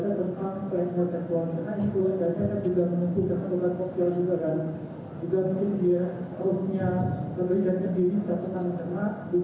seperti kasus kasus lainnya pak